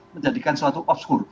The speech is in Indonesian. menjadikan suatu off score